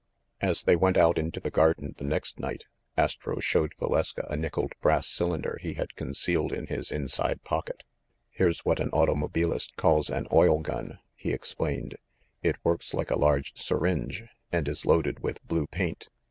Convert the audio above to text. As they went out into the garden the next night, Astro showed Valeska a nickeled brass cylinder he had concealed in his inside pocket. "Here's what an automobilist calls an oil gun," he explained. "It works like a large syringe, and is loaded with blue paint.